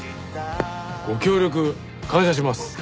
ご協力感謝します。